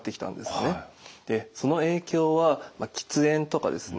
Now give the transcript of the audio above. その影響は喫煙とかですね